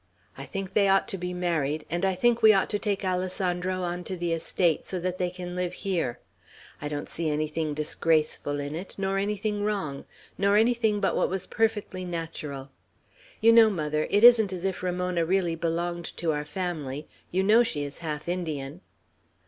I think they ought to be married; and I think we ought to take Alessandro on to the estate, so that they can live here. I don't see anything disgraceful in it, nor anything wrong, nor anything but what was perfectly natural. You know, mother, it isn't as if Ramona really belonged to our family; you know she is half Indian."